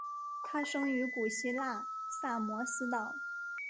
他生于古希腊萨摩斯岛。